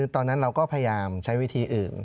ตอนนั้นเราก็พยายามใช้วิธีอื่น